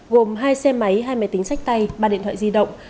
gồm hai xe máy hai máy tính sách tay ba điện thoại di động